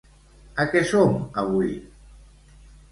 A què som avui?